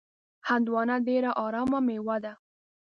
هندوانه ډېره ارامه میوه ده.